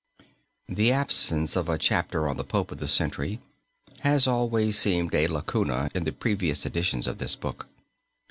The absence of a chapter on the Pope of the Century has always seemed a lacuna in the previous editions of this book.